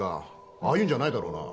ああいうんじゃないだろうな？